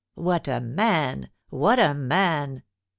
"What a man! What a man!"